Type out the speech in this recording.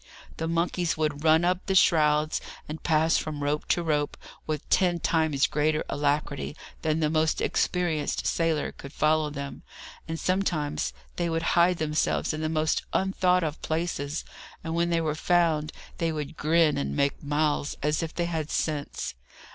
The monkeys would run up the shrouds and pass from rope to rope, with ten times greater alacrity than the most experienced sailor could follow them, and sometimes they would hide themselves in the most unthought of places, and when they were found, they would grin and make mouths, as if they had sense.